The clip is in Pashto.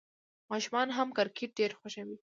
ماشومان هم کرکټ ډېر خوښوي.